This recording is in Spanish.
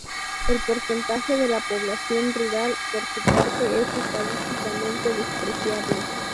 El porcentaje de la población rural por su parte es estadísticamente despreciable.